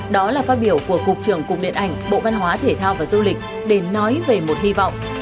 đó là phát biểu của cục trưởng cục điện ảnh bộ văn hóa thể thao và du lịch để nói về một hy vọng